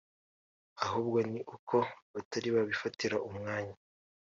ahubwo ni uko batari babifatira umwanya